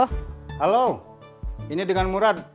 halo ini dengan murad